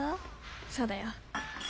そうだよ。